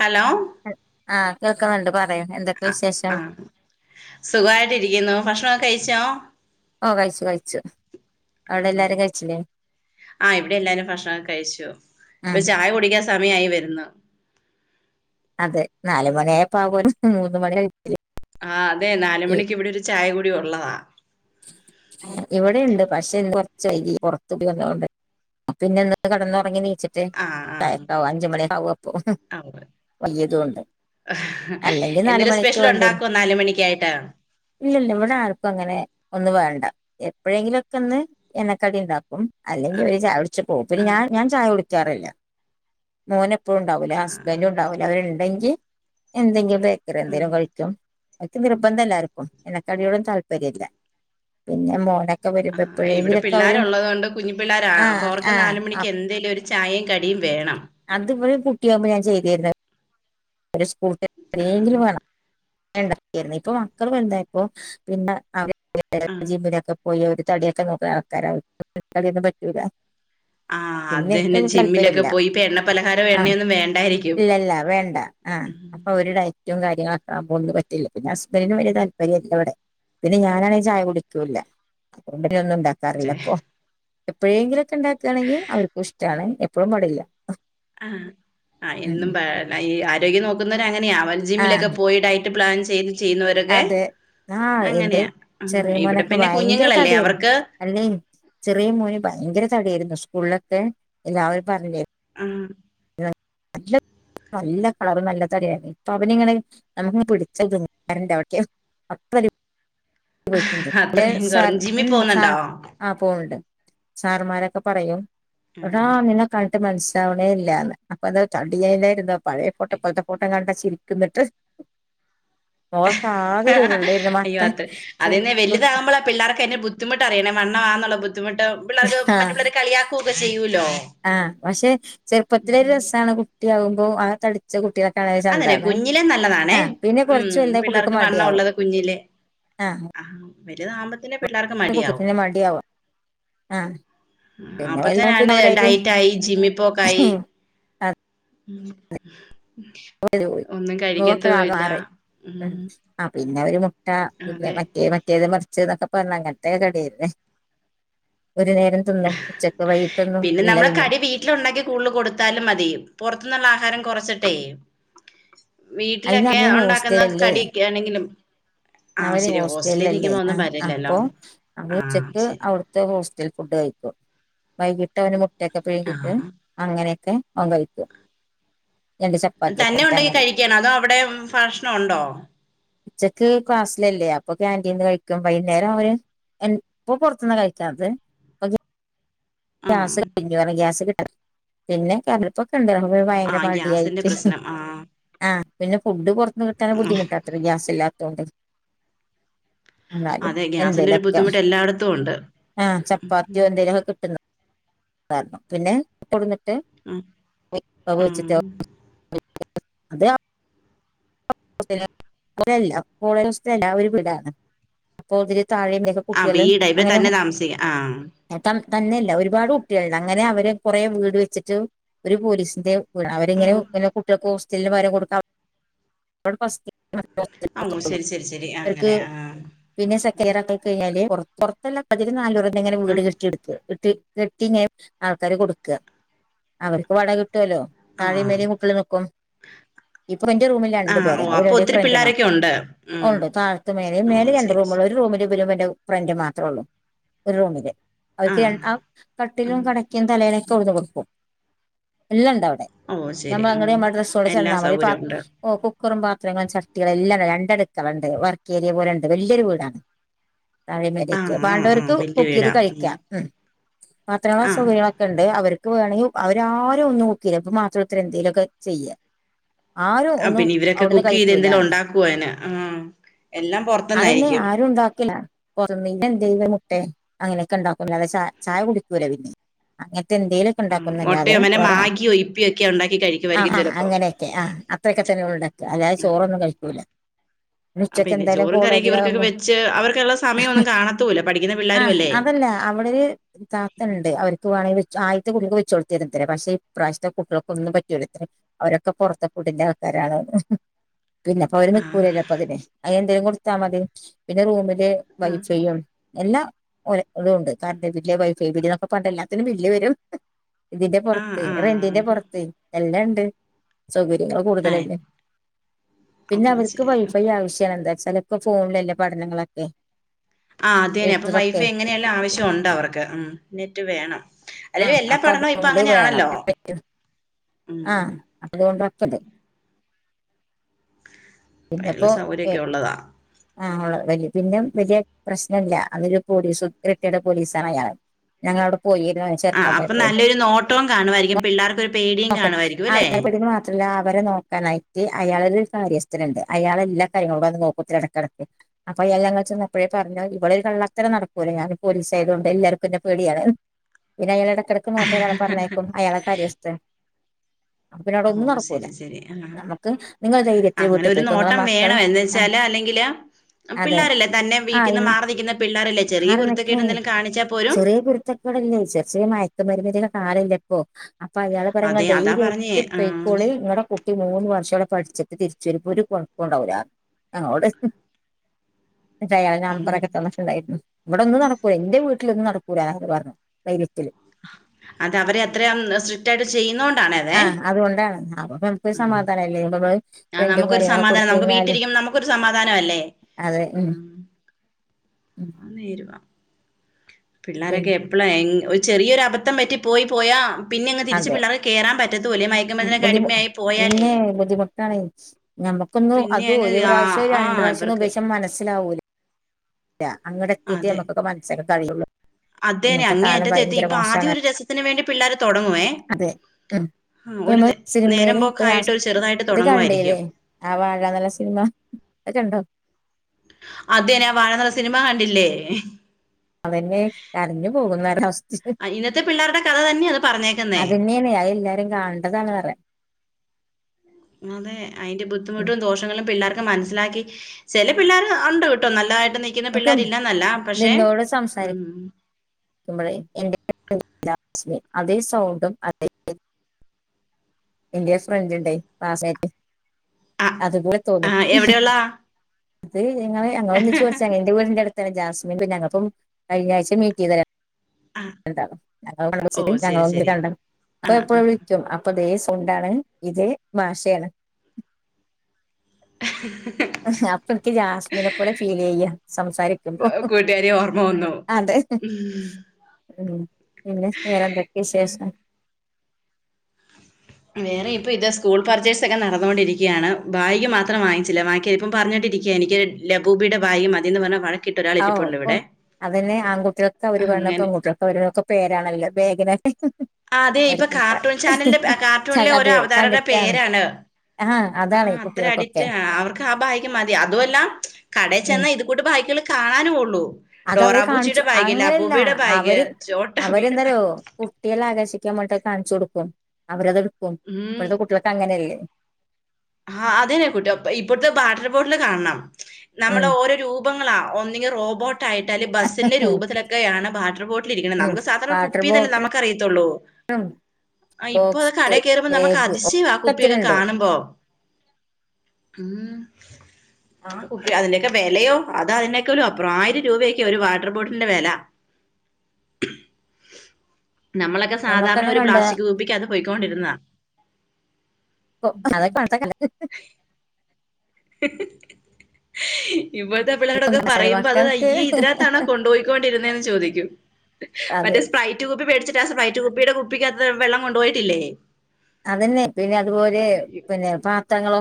Hello. ആ, കേൾക്കുന്നുണ്ട് പറയെ എന്തൊക്കെ? വിശേഷം ആ, സുഖായിട്ട് രിക്കുന്നു ഭക്ഷണം കഴിച്ചോ? ഓ, കഴിച്ചു കഴിച്ചു.. അവിടെ എല്ലാരും കഴിച്ചില്ലേ ആ, ഇവിടെ എല്ലാരും ഭക്ഷണംക്കെ കഴിച്ചു ഇപ്പോ ഉം ചായ കുടിക്കാ സമയായി വരുന്നു. അതെ നാല മണിയായ പാ പോലും മൂന്ന മണിയ [unintelligible] ആ, അതെ നാല മണിക്ക് ഇവിടെ ഒരു ചായ കൂടി ഉള്ളതാ ഇവിടെണ്ട് പക്ഷേ കൊറച്ചയി. ഇ പുറത്ത് ക് വന്ന കൊണ്ട് പിന്നെ ഇന്ന് കിടന്നുറങ്ങി നീച് ആ ആ ചായക്കാവും അഞ്ചുമണികാവുമ്പോ ആവും അപ്പോ ആ ഉവ്വ്. ഉറങ്ങി തൂങ്ങ്ണ്ട്. എന്തേലും സ്പെഷ്യൽ ഉണ്ടാക്കോ നാല് മണിക്കായിട്ട്. ഇല്ല ഇല്ല ഇവിടാ ർക്കു അങ്ങനെ ഒന്ന് വേണ്ട. എപ്പോഴെങ്കിലും ഒക്കെ ഒന്ന് എണ്ണക്കടി ഉണ്ടാക്കും. ആ അല്ലെങ്കിൽ ആ ഒര് ചായ കുടിച്ച് പോകും. പിന്നെ ആ ഞാൻ ഞാൻ ചായ കുടിക്കാറില്ല. മോനെപ്പഴും ഉണ്ടാവൂല. ആ ഹസ്ബൻഡും ഉണ്ടാവൂല അവരുണ്ടെങ്കിൽ എന്തെങ്കിലും ബേ ചക്ക ര ഉം എന്തെലും കഴിക്കും. പക്ഷേ നിർബന്ധം ഇല്ലാ ആർക്കും. എണ്ണക്കടിയോടും താല്പര്യം ഇല്ല. പിന്നെ മോന ആ,, ഇവിടെ പിള്ളേരുള്ളത് കൊണ്ട് കുഞ്ഞി പി ള്ളേര. അപ്പോ ആഹ് അവർക്ക് നാലു ആഹ് മണിക്ക് എന്തേ എന്തേലൊ രു ചായയും കടിയും വേണം. അത് ഇവര് കുട്ടിയാകുമ്പോൾ ഞാൻ ചെയ്തിരുന്ന സ്കൂൾ വിട്ടു വരുമ്പോൾ ആ എന്തെങ്കിലും വേണം. വേണ്ട ഇന്നിപ്പോ മക്കൾ വലുത യപ്പോ പിന്നെ അവരൊക്കെ ആ ജിമ്മിനൊക്കെ പോയി ഒന്റെ തടിയൊക്കെ നോക്കണ ആൾക്കാരാവും. തടി യൊന്നും പറ്റൂല. ആ അത് പിന്നെ തന്നെ എനിക്കും ജിമ്മിലൊക്കെ താല്പര്യല്ല. പോയി ഇപ്പൊ എണ്ണ പലഹാരം ആ, എണ്ണയൊന്നും വേണ്ടായിരിക്കും ഇല്ല ഇല്ല വേണ്ട. ആ, അപ്പോ അവരു ഡയറ്റും കാര്യങ്ങളൊക്കെകുമ്പൊ ന്നും പറ്റില്ല. പിന്നെ ഹസ്ബൻറിന് വലിയ താല്പര്യല്ല വടെ. പിന്നെ ഞാനാണെങ്കിൽ ചായ കുടിക്കൂല്ല. എണ്ണക്കടി ഒന്നും ണ്ടാ എന്താഅറിയില്ല ചെ ഇപ്പോ. എപ്പോഴെങ്കിലൊക്കെ ഉണ്ടാക്കാണെങ്കിൽ അവർക്കും ഇഷ്ടമാണ്. എപ്പോഴും പാടില്ല ആ, ആ, ഉം എന്നും ഈ ആരോഗ്യം നോക്കുന്നവർ അങ്ങനെയാ അവൻ ജിമ്മിലൊക്കെ ആഹ് പോയി പ്ലാൻ ചെയ്ത് ചെയ്യുന്നവരൊക്കെ അതെ ആഹ് എന്റെ അങ്ങനെയാ ഇവിടെ പിന്നെ കുഞ്ഞുങ്ങളല്ലേ അവർക്ക് അല്ലെ ചെറിയ മോന് ഭയങ്കര തടിയായിരുന്നു സ്കൂളിലൊക്കെ എല്ലാവരും പറഞ്ഞിരുന്നു ആഹ് [unintelligible] നല്ല കളർ നല്ല തടി ആയിരുന്നു ഇപ്പൊ അവനിങ്ങനെ നമുക്ക് പിടിച്ചാ [unintelligible] [unintelligible] അത്രയും കൊറഞ്ഞ് ജിമ്മിൽ പോകുന്നുണ്ടോ ആഹ് പോണുണ്ട് സാറുമാരൊക്കെ പറയും ടാ നിനക്ക് കണ്ടിട്ട് മനസ്സിലാവണേ ഇല്ലാന്ന് അപ്പൊ [unintelligible] പഴയ ഫോട്ടോ ഇപ്പോലത്തെ ഫോട്ടോ കണ്ടാ ചിരിക്കും എന്നിട്ട് ഓൾക്ക് ആകെ ഒരു [unintelligible] മത്തൻ അതേന്നെ വലുതാകുമ്പോളാ പിള്ളേർക്ക് അതിന്റെ ബുദ്ധിമുട്ടറിയണേ വണ്ണവാണെന്നുള്ള ബുദ്ധിമുട്ട് പിള്ളേർക്ക് മറ്റ് ആഹ് പിള്ളേര് കളിയാക്കുവൊക്കെ ചെയ്യൂലോ ആഹ് പക്ഷെ ചെറുപ്പത്തിലെ ഒരു രസമാണ് കുട്ടിയാകുമ്പോ ആഹ് തടിച്ച കുട്ടിയോളെ അതന്നെ കുഞ്ഞിലെ നല്ലതാണേ കൊറച്ച് ഉം വലുതായ കുട്ടികൾക്ക് പിള്ളേർക്ക് വണ്ണം മടിയാവും ഉള്ളത് കുഞ്ഞിലെ ആഹ് വലുതാമ്പത്തേന് പിള്ളേർക്ക് മടിയാവും കുട്ടികൾക്കന്നെ മടിയാവും ആഹ് പിന്നെ വലുതാവുമ്പോ പിന്നെ അപ്പൊത്തേന് അവരായിട്ട് ഡയറ്റായി ജിമ്മി പോക്കായി അത് പോയി ഒന്നും മുഖൊക്കെ കഴിക്കത്തും ആകെ ഇല്ല മാറി ഉം ആഹ് പിന്നെ ഒരു മുട്ട പിന്നെ അതെ മറ്റേ മറ്റേത് ച്ചതൊക്കെ പറഞ്ഞ് അങ്ങനത്തെ [unintelligible] ഒരു നേരം എന്നും ഉച്ചക്ക് വൈകിട്ടൊന്നും ഇല്ല പിന്നെ വീട്ടില് ഉണ്ടാക്കി കൂടുതൽ കൊടുത്താലും മതിയും പുറത്തു നിന്നുള്ള ആഹാരം കുറച്ചിട്ടേ അയിന് വീട്ടിലൊക്കെ അന്ന് ഉണ്ടാക്കുന്ന ഹോസ്റ്റലല്ലേ കടി ഒക്കെ ആണെങ്കിലും ആഹ് അവര് ശരി ഹോസ്റ്റലിൽ ഹോസ്റ്റലില്ലേ നിൽക്കുമ്പോ ഒന്നും വരില്ലല്ലോ അപ്പൊ അവര് ആഹ് ഉച്ചക്ക് ശരി അവിടു ഹോസ്റ്റൽ ഫുഡ് കഴിക്കും വൈകിട്ട് അവന് മുട്ടയൊക്കെ പിഴിഞ്ഞിട്ട് ആഹ് അങ്ങനെയൊക്കെ ആം കഴിക്കും രണ്ട് ചപ്പാത്തിയൊക്കെ തന്നെ ആയിട്ട് ഉണ്ടാക്കി അങ്ങനെ കഴിക്കാണോ അതോ അവിടെ ഭക്ഷണം ഉണ്ടോ ഉച്ചക്ക് ക്ലാസ്സിലല്ലേ അപ്പൊ ക്യാന്റീന്ന് കഴിക്കും വൈകുന്നേരം അവര് എ ഇപ്പൊ പുറത്തുനിന്നാ കഴിക്കാത് ആഹ് ഗ്യാസ് കയിഞ്ഞു കാരണം പറ [unintelligible] കിട്ട പിന്നെ ഇപ്പൊക്കെണ്ടല്ലോ ഭയങ്കര ആഹ് ഗ്യാസിന്റെ മടിയായിട്ട് പ്രശ്നം ആഹ് ആഹ് പിന്നെ ഫുഡ് പുറത്ത്ന്ന് കിട്ടാന് ബുദ്ധിമുട്ടാണ് അത്ര ഗ്യാസില്ലാത്തോണ്ടേ എന്നാലും അതെ ഗ്യാസിന്റെ ഒരു എന്തേലൊക്കെ ബുദ്ധിമുട്ട് എല്ലായിടത്തും ഉണ്ട് ആഹ് ചപ്പാത്തിയോ എന്തേലുമൊക്കെ പിന്നെ കൊടുന്നിട്ട് ഉം ഉംഹ് അതെ ല്ല കോളേജിലാ കോളേജ് ഹോസ്റ്റലിലാ ഒരു വീടാണ് അപ്പൊ ഇതില് താഴെയും മേ ആഹ് വീടാ ഇപ്പൊ തന്നെ താമസിക്കാം ആഹ് തന്നെയല്ല ഒരുപാട് കുട്ടികളുണ്ട് അങ്ങനെ അവര് കൊറേ വീട് വെച്ചിട്ട് ഒരു പോലീസിന്റെ ഉം അവരിങ്ങനെ കുട്ടികൾക്ക് ഹോസ്റ്റലിൽ പകരം കൊടുക്കാം [unintelligible] ഓ ശരി ശരി ശരി അവർക്ക് അങ്ങനെ ആ പിന്നെ സെക്കന്റിയറ് ഒക്കെ കഴിഞ്ഞാല് പുറ പുറത്തല്ല [unintelligible] ഇങ്ങനെ ആ വീട് കെട്ടിയെടുക്കും ഇട്ടി കെട്ടിങ്ങ് ആൾക്കാര് കൊടുക്കുക അവർക്ക് വാടക കിട്ടുവല്ലോ ആ താഴെയും മേലേയും കുട്ട്യോള് നിക്കും ഇപ്പൊ എന്റെ റൂമിലാണ് ആ ഓ ഒരു അപ്പൊ ഒത്തിരി പിള്ളോരൊക്കെ ഡിഫറന്റ്മാത്രം ഉണ്ട് ഉം ഒള്ളു താഴത്ത് മേലെയും ഓ മേളിൽ രണ്ട് ശരി റൂമുകള് ശരി ഒരു റൂമില് വരുമ്പ എന്റെ ഫ്രണ്ട് മാത്രേള്ളൂ ഒരു റൂമില് അവർക്ക് ര ആ കട്ടിലും ഉം. കടക്കും തലയണിംഒക്കെ അവിട്ന്ന് കൊടുക്കും എല്ലാം ഉണ്ട് അവിടെ ഓ ശരി നമ്മ ഉം അങ്ങടെ നമ്മ ഡ്രെസ്സോടെ എല്ലാ ചെന്നാ മതി പ സൗകര്യവും ഉണ്ട് ഓഹ് കുക്കറും പാത്രങ്ങളും ചട്ടികളും എല്ലാം രണ്ട്അടുക്കളുണ്ട് വർക്ക് ഏരിയ പോല ഉണ്ട് വലിയൊരു വീടാണ് താഴേ ആ മേലേആയിട്ട്. ആ ആ വേണ്ടവർക്ക് വല്യ കുക്ക് ചെയ്ത് വീടാ കഴിക്കാം, ഉം മാത്രല്ലാ ആ സുഖ ഉണ്ട്, അവർക്ക് വേണമെങ്കിൽ അവര് ആരും ഒന്നും കുക്ക് ചെയ്യൂല. ഇവന് മാത്രം ഇപ്പൊ എന്തേലുമൊക്കെ ചെയ്യ ആരും ആ ഒന്നും പിന്നെ ഇവരൊക്കെ അവിടുന്ന് കുക്ക് ചെയ്ത് എന്തെലും കഴിക്കൂലന്ന്. ഉണ്ടാക്കുവോ അതിന് ആ എല്ലാം അതെന്നെ പുറത്തുന്നായിരിക്കും ആരും ഉണ്ടാക്കില്ല [unintelligible] മുട്ടെ അങ്ങനെ ഒക്കെ ണ്ടാക്കും ച ചായ കുടിക്കൂല്ല പിന്നെ അങ്ങനത്തെ എന്തെലും ഒക്കെ ഉം മുട്ടയോ ഉണ്ടാക്കുന്നല്ലാതെ അങ്ങനെ വേറെ, മാഗിയോ ഇപ്പിയോ ഒക്കെ ഉണ്ടാക്കി ആഹ് കഴിക്കുമായിരിക്കും ആഹ് ചിലപ്പോ അങ്ങനെയൊക്കെ ആ അത്രയൊക്കെ തന്നെ ഉണ്ടാക അല്ലാതെ ചോറൊന്നും കഴിക്കൂല ആഹ് ഉച്ചക്ക് പിന്നെ എന്തായാലും ചോറും കറിയൊക്ക് ഇവർക്കൊക്കെ കോളേജിലാകുമ്പോ വെച്ച് അവർക്കത്തിനുള്ള സമയമൊന്നും കാണത്തൂല്ല പഠിക്കുന്ന ആ പിള്ളേരുഅല്ലേ അതല്ല അവിടെ ണ്ട് അവർക്ക് വേണെങ്കിൽ വെച്ച് ആദ്യത്തെ കുട്ടികക്ക് വെച്ച കൊടുത്തിരുഅത്ര, പക്ഷെ ഇപ്രവശത്തെ കുട്ടികൾക് ഒന്നും പറ്റ് ണ്ല്ല അവരൊക്കെ പുറത്ത് കൂടിന്റെ ആൾക്കാരാണ് പിന്നെ ഇപ്പൊ അവര് ആഹ് നിക്കൂലല്ലോ അപ്പൊ അതിന്. അത് എന്തേലും കൊടുത്താൽ മതി പിന്നെ റൂമ് ഇത് ആഹ് വലിചെയ്യും എല്ല ഇതുംണ്ട്. കാറന്റ് ബില്ല്, വൈഫൈ ഇതിന്നൊക്കെ പാടെ എല്ലാത്തിനും ബില്ല് വരും ഇതിന്റെ ആഹ് പുറത്ത്, ആഹ് റെന്റിന്റെ പുറത്ത് എല്ലാം ഉണ്ട് സൗകര്യങ്ങള് കൂടുതല ആഹ് ഉണ്ട് പിന്നെ അപ്പൊ അവർക്ക് ശരി വൈഫൈ ആവശ്യമാണ്. എന്താ വച്ചാൽ ഇപ്പോ ഫോണിലല്ലേ പഠനങ്ങളൊക്കെ ആഹ് അതേ തന്നെ അപ്പൊ എഴുത്തതൊക്കെ വൈഫൈ എങ്ങനെയല്ല ആവശ്യംണ്ട് അവർക്ക് മം നെറ്റ് വേണം അല്ലെലും ആഹ് എല്ലാ അപ്പോ പഠനവും ഇപ്പൊ അതുകൊണ്ട് വേണം. അങ്ങനെയാണല്ലോ ഉം ആഹ് അപ്പോ അതുകൊണ്ട് വക്കത് അത്രള്ള പിന്നെപ്പോ സൗകര്യമൊക്കെ ഉള്ളതാണ് ആ ഉള്ളത് വല്ത്, പിന്നെ വലിയ പ്രശ്നല്ല അത്ഒരു പോലീസ് റിട്ടേർഡ് പോലീസാണ് അയാള് ഞങ്ങവിടെ പോയിനു ആഹ് അപ്പൊ നല്ലൊരു നോട്ടവും കാണുമായിരിക്കും പിള്ളേർക്കൊരു പേടിയും കാണുയിരിക്കും അല്ലേ അവരെ പേടികൾ അവരെ നോക്കാനായിട്ട് അയാളരു കാര്യസ്ഥനുണ്ട് അയാളെല്ലാ കാര്യങ്ങളും വന്ന് നോകുത്രെ ഇടക്കിടക്ക് അപ്പൊ അയാള് ഞങ്ങള് ചെന്നപ്പോഴേ പറഞ് ഇവിടെ ഒരു കള്ളത്തരം നടക്കൂല്ല. ഞാൻ ഒരു പോലീസ് ആയതുകൊണ്ട് എല്ലാവർക്കും ഇന്നേ പേടിയാണ് പിന്നെ അങ്ങനെ ഇടക്കിടക്ക് നോക്കാൻ ഒരാളെ പറഞ്ഞേക്കും അയാള കാര്യസ്ഥൻ അപ്പൊ പിന്നെ അവിടെ ഒന്നും ഓഹ് നടക്കൂല ശരി ശരി ആഹ്. നമുക്ക് നിങ്ങൾ ധൈര്യത്തിൽ അങ്ങനെ വീട്ടിൽ ഒരു പോയിക്കോ നിങ്ങളെ നോട്ടം മക്കള് വേണം എന്ന് ആ വെച്ചാല് അല്ലെങ്ക ങ്കില് അതെ പിള്ളാരല്ലേ തന്നെ ആ വീട്ടിന്ന് മാറി നിക്കുന്ന പിള്ളാരല്ലേ ചെറിയ കുരുത്തകേട് എന്തേലും കാണിച്ചാൽ പോലും ച്ചക്കടല്ലേ വിചാരിച്. മയത്ത് പരുമതിക്കെ കാർ കഴിക്കിയപ്പോ പറയ ഇങ്ങള് അതെ അതാ പറഞ്ഞേ ധൈര്യആയിട്ട് ആ പേയിക്കോളി ഇങ്ങളടെ കുട്ടി മൂന്ന് വർഷോടെ പഠിച്ചിട്ട് തിരുച്ചൂ വരുമ്പോ ഒര് കൊയപ്പും ഉണ്ടാവൂല, ഞങ്ങളോട് അയാളുടെ നമ്പർ ഒക്കെ തന്നട്ട് ഇണ്ടായിര്ന്ന് ഇവിടെന്നും നടക്കൂല. എന്റെ വീട്ടിലൊന്നും നടക്കൂലത് പറഞ്ഞു ധൈര്യത്തില് അതെ അവര് അത്രയും സ്ട്രിക്റ്റ് ആയിട്ട് ചെയ്യുന്നതൊണ്ടാണ് അതെ ആ അതുകൊണ്ടാണ് ഞാനിപ്പോ ഉം സമാധാനയില്ലേ ആ റെന്റും നമുക്കൊരു കാര്യങ്ങളൊക്കെ സമാധാനം കൊടുത് നമുക്ക് കഴിഞ്ഞാല്. വീട്ടിലിരിക്കുമ്പോ നമുക്കൊരു സമാധാനം അല്ലേ അതെ മം നേരുവ പിന്നെ പിള്ളേരൊക്കെ അപ്പളാ ഒര് ചെറിയൊരു അബദ്ധം പറ്റി പോയി പോയാ പിന്നെ അങ്ങ് തിരിച്ച് അതെ പിള്ളേർക്ക് കേറാൻ പറ്റത്തൂല്ല. ഈ മയക്കുമരുന്നൊക്കെ ബുദ്ധിമു അടിമയായി പോയാലേ നമുക്കൊന്ന് പിന്നെ അത് അങ്ങ് ഒരു ആ പ്രാവശ്യം ആ രണ്ട് പ്രാവശ്യംന്ന് ഇവർക്ക് ഉപയോഗിച്ച മനസ്സിലാവൂലേ അല്ല അങ്ങടെത്തീറ്റെ ഞമ്മക്കൊക്കെ മനസ്സൊക്കെ കഴിയൊള്ളൂ. അതെനെ അങ്ങേറ്റത്തെത്തി ഇപ്പൊ മോശാണ് ആദ്യം ഒരു രസത്തിന് വേണ്ടി പിള്ളേര് തൊടങ്ങുവേ. അതെ ം ആഹ് പ്പ ഒരു ഞമ്മള് നേ നേരം സിനിമേല് ഇപ്പ പോക്കായിട്ട് രാസ് ഒരു ചെറുതായിട്ട് ത് തൊടങ്ങുവായിരിക്കും. കാണണ്ടീല്ലേ? ആ വാഴ നല്ല സിനിമ അത് കണ്ടോ? അതന്നെ ആഹ് വാഴന്ന്ള്ള സിനിമ കണ്ടില്ലേ? അതെന്നെ കരഞ്ഞ പോകുന്നൊരവസ്ഥ. ഇന്നത്തെ പിള്ളേരുടെ ക അതനേണ് അതെല്ലാരും കാണണ്ടതാണ്റയാം. അതെ അയിൻ്റെ ഉം ബുദ്ധിമുട്ടും ദോഷങ്ങളും പിള്ളേർക്ക് മനസ്സിലാക്കി ചില പിള്ളേര് ഉണ്ട് കെട്ടോ നല്ലതായിട്ട് നിക്കുന്ന ഇൻക്ക് പിള്ളേര് ഇല്ലാന്നല്ല പക്ഷെ ം [unintelligible] എ അതേ സൗണ്ടും അതെ എന്റെ ഒരു ഫ്രൻ്റണ്ടൈ ക്ലാസ്മൈറ്റ് ആഹ് അതു പോലെ ആഹ് തോന്നക്ക് എവിടെയുള്ളാ? അത് ഞങ്ങള് ഞങ്ങളൊന്നിച്ച് പഠിച്ചതാണ് ന്റെ വീടിന്റെ അടുത്താണ് ജാസ്മിൻ പിന്നെ ഞങ്ങള്പ്പം കഴിഞ്ഞാഴ്ച മീറ്റീതരാ ആഹ് രണ്ടാളും ഞങ്ങള് വിളിച്ച് ഓഹ് ഞങ്ങള് ശരി തമ്മില് ശരി. കാണും ആഹ് ഞങ്ങളെപ്പഴും വിളിക്കും അ അപ്പ ദേ സൗണ്ടാണ് ഇതേ ഭാഷേണ്. ഹ് അപ്പൊ എനിക്ക് ജാസ്മിനെ പോലെ ഫീലെയ്യ സംസാരിക്കുമ്പോ. നോനോ ംം പിന്നെ വേറെന്തൊക്കെ വിശേഷം? വേറെ ഇപ്പോ ത സ്കൂൾ പർച്ചേ്സൊക്ക നടന്നോണ്ടിരിക്കയാണ്. ബാഗ് മാത്രം വാങ്ങിച്ചില്ല വാങ്ങിക്കാ ഇപ്പം പറഞ്ഞോട്ടിരിക്കയാ എനിക്ക് ലബൂബിയുടെ ബാഗ് മതീന്ന് പറഞ്ഞാ വഴ അഹ് ഓഹ് ഓ അതന്നെ ആൺകുട്ട്യേൾക്ക് അവര് പറീണ അങ്ങനെ പെങ്കുട്യേൾ ഓരോരോക്ക പേരാണല്ലോ ബേഗിന് അതെ ഇപ്പൊ കാർട്ടൂൺ ചാനലിന്റെ പേ കാർട്ടൂണിലെ ഓരോ അവതാരര്ടെ കണ്ടിട്ടാണ് പേരാണ്. ആഹ് അത് അതാണ് ആഹ് ഈ അത്ര കുട്ടികൾക്കൊക്കെ അഡിക്റ്റ് ആ അവർക്ക് ആ ബാഗ് മതി അതു അല്ല കടേ ഉം ചെന്നാ ഇത് ഉട് ബാഗ്കള്കാണാനൂ ഉള്ളൂ. അത് അവര് കാണിച്ചു ഡോറാബൂച്ചിയുടെ ബാഗ് അങ്ങനെല്ല ലബൂബിയുടെ ബാഗ് അവര് ചോട്ടാബിയുടെ അവരെന്താറ്യോ. ബാഗ് കുട്ടികളെ ആകർഷിക്കാൻ വേണ്ടിട്ടത് കാണിച്ചു കൊടുക്കും അവരത് എടുക്കും ഉം ഇപ്പഴത്തെ കുട്ട്യോൾക്കങ്ങനേല്ലെ? ആഹ് അതേനെ കുട്യോക്ക്പൊ ഇബ്ട്ത്തെ ബാട്ടറ് ബോട്ടില് കാണണം. നമ്മള് ഉം ഓരോ രൂപങ്ങളാ ഒന്നിങ്കി റോബോട്ടായിട്ട് അല്ലെ ബസ്സിന്റെ രൂപത്തിലൊക്കെയാണ് വാട്ടർ ബോട് ന്നിരിക്കണ് ഉം നമുക്ക് സാധാരണ ഒരു വാട്ടർ കുപ്പി തന്നെ ബോട്ടിൽ നമുക്ക് അറിയത്തുള്ളൂ. ബോക്സ് നമുക്ക് ബേഗ് അതിശയവാ ആ കുപ്പിയൊക്കെ ഒക്കെത്തിനുണ്ട്. ം ആ കുപ്പി അതിന്റെക്ക വെലയോ അത് അതിനേക്കാലും അപ്പുറം ആയിരം രൂപേക്കെ ഒരു വാട്ടർ ബോട്ടിലിന്റെ വെല. [inaudible] നമ്മളെക്ക സാധാരണ ഞമ്മക്കെല്ലാം ഒരു കണ്ട പ്ലാസ്റ്റിക് കുപ്പിക്ക് അത് പൊയ്ക്കോണ്ടിരുന്നാ. ഓഹ് അത് [unintelligible] ഹ്ഹ് ഹ് ഇവള്തെ പിള്ളേരോടക്ക പറയുമ്പോ അത് മക്കൾക്ക് അയ്യേ ഇതിനകത്താണോ കൊണ്ടുപോയിക്കോണ്ടിരുന്നേന്ന് ചോദിക്കും അതെ മറ്റേ സ്പ്രൈ റ്റു കുപ്പി മേടിച്ചിട്ട് ആ സ്പ്രെെറ്റു കുപ്പിയുടെ കുപ്പിക്കകത്ത് വെള്ളം കൊണ്ടോയിട്ടില്ലേ? അതന്നെ പിന്നെ അതുപോലെ അയ്യോ. പിന്നെ പാത്രങ്ങളോ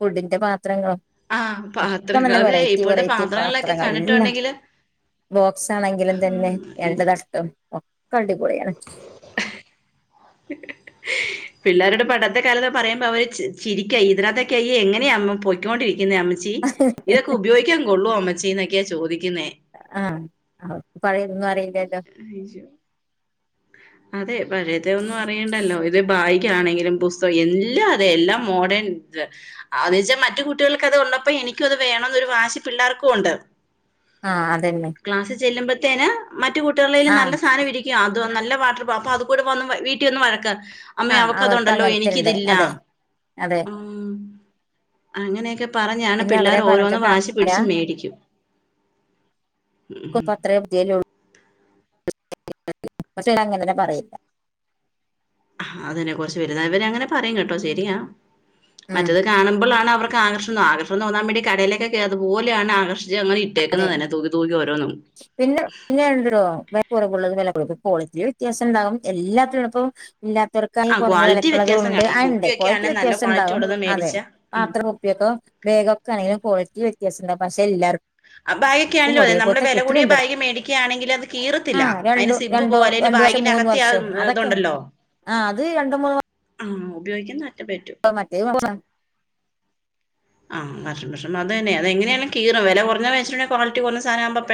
ഫുഡിന്റെ പാത്രങ്ങളോ? ആഹ് ഒക്കെ പാത്രങ്ങൾ നല്ല അതെ വെറൈറ്റി ഇപ്പോഴത്തെ വെറൈറ്റി പാത്രങ്ങളിലൊക്കെ പാത്രങ്ങളെല്ലാം. കണ്ടിട്ടുണ്ടെങ്കില് ബോക്സാണെങ്കിലും തന്നെ ഉം രണ്ട് തട്ട് ഒക്കെ അടിപൊളിയാണ്. [inaudible] പിള്ളേരുടെ പണ്ടത്തെ കാലതാ പറയുമ്പ അവര് ചി ചിരിക്കായി ഇതിനാത്തൊക്കെയി എങ്ങനെയ അമ്മ പൊക്കൊണ്ടിരിക്കുന്നേ അമ്മച്ചി ഇതൊക്കെ ഉപയോഗിക്കാൻ കൊള്ളോ അമ്മച്ചീന്നൊക്കെയാ ചോദിക്കുന്നേ ആഹ് അവർക്ക് പഴയതൊന്നും അറിയില്ലല്ലോ അയ്യോ [unintelligible] അതെ പഴയതൊന്നും അറിയേണ്ടല്ലോ ഇത് ബായിക ആണെങ്കിലും പുസ്തക എല്ലാം അതെ എല്ലാം മോഡേൺ തേ അത് വെച്ചാ മറ്റു കുട്ടികൾക്ക് അത് ഉള്ളപ്പോ എനിക്കും അത് വേണം എന്നൊരു വാശി പിള്ളേർക്കും ഉണ്ട് ആഹ് അതെന്നെ ക്ലാസ്സിൽ ചെല്ലുമ്പത്തേന് മറ്റു കുട്ടികളേലും ആഹ് നല്ല സാധനം ഇരിക്കയാ അതോ നല്ല ബാട്ടറ് അപ്പൊ അത് പോലെ വന്ന് വ വീട്ടീ വന്ന് വഴക്കാ അമ്മേ ആഹ് അവർക്ക് അവക്കതൊണ്ടല്ലോ അങ്ങനത്തെണ്ട് എനിക്കിതില്ല അതെ അതെ ഉം അങ്ങനേക്ക പറഞ്ഞാണ് പിന്നെ അവരെ പിള്ളേര് പറഞ്ഞിട്ട് ഓരോന്നും വാശി കാര്യല്ല പിടിച്ചു മേടിക്കും കുട്ടികൾക്ക് അത്രേം ബുദ്ധില്ലേ ഒള്ളൂ പക്ഷേ എല്ലാം അങ്ങനന്നെ പറയില്ല ആഹാ അതന്നെ കൊറച്ച് വലുതാവുന്നവരേ അങ്ങനെ പറയും കേട്ടോ ശരിയാ ഉം മറ്റെത് കാണുമ്പളാണ് അവർക്ക് ആകർഷണം ആകർഷണം തോന്നാ വേണ്ടി കടയിലൊക്കെ കേറു അതുപോലെയാണ് ആകർഷണം അങ്ങനെ അതെ ഇട്ടേക്കുന് തനെ തൂക്കി തൂക്കി ഓരോന്നും പിന്നെ പിന്നെല്ലോ വ കുറകുള്ളള്ളത് വില കുടു കോള്റ്റിയിൽ വ്യത്യാസം ഉണ്ടാകും എല്ലാത്തിനും ഇപ്പം ഇല്ലാത്തവർക്ക ആ കുറഞ്ഞ ക്വാളിറ്റി വിലക്കുള്ളതും വ്യത്യാസം ഉണ്ട് കാണും ഈ ആ ഉണ്ട് കുപ്പിയൊക്കെ ക്വാളിറ്റി ആണേൽ നല്ല വ്യത്യാസം ക്വാളിറ്റി ഉണ്ടാാവും ഉള്ളത് അതെ മേടിച്ച ഉം പാത്ര കുപ്പിയൊക്കെ ബാഗൊക്കെ ആണെങ്കും കേളിറ്റി വ്യത്യാസം ഇണ്ടാവും പക്ഷേ എല്ലാവർക്കും അബായി ക്കെ ആണല്ലേ നമ്മള് ഒരേപോലത്തെ വില കൂടിയ കിട്ടലുണ്ട് ബാഗ് മേടിക്കയാണെങ്കിൽ അത് കിറത്തില്ല ആഹ് അതിന് രണ്ടു സിബ് രണ്ടോ പോക അ രണ്ടു വർഷം മൂന്ന് ബാഗിനകത്തെ വർഷം അതൊക്കെ തെഇണ്ടല്ലോ ആഹ് അത് രണ്ട് മൂന്ന് ആഹ് ഉപയോഗിക്കുന്ന ഒറ്റെ പറ്റും പ്പം മറ്റേ [unintelligible] ആ വാഷിംഗ്‌ മെഷീൻ. അത് തന്നെ അത് എങ്ങനെ ആയാലും കീറും. വെല കൊറഞ്ഞ മെഷീനൊ ക്വാളിറ്റി കൊറഞ്ഞ സാധനാകുമ്പം പെട്